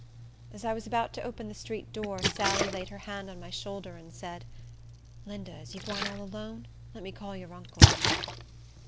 As I was about to open the street door, Sally laid her hand on my shoulder, and said, "Linda, is you gwine all alone? Let me call your uncle."